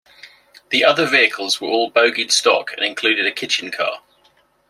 The other vehicles were all bogied stock and included a kitchen car.